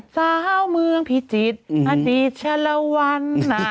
เจ้าเมืองพิจิตรอติศะละวัน